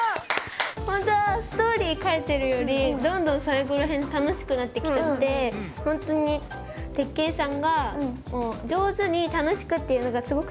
ほんとはストーリー書いてるよりどんどん最後らへん楽しくなってきちゃってほんとに鉄拳さんが上手に楽しくっていうのがすごく